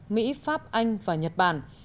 mỹ pháp anh và nhật bản